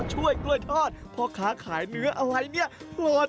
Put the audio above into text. หื้อหื้อหื้อหื้อหื้อหื้อหื้อหื้อหื้อ